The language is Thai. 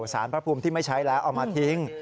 สารพระภูมิที่ไม่ใช้แล้วเอามาทิ้ง